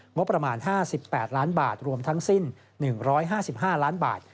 งบประมาณ๕๘ล้านบาทรวมทั้งสิ้น๑๕๕ล้านบาท